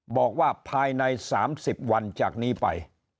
บอกว่าภายใน๓๐วันจากนี้ไป